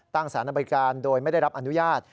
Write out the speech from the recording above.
ตั้งสารบริการโดยไม่ได้รับอนุญาต